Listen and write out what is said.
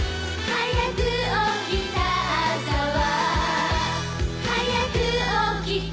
「はやく起きた朝は」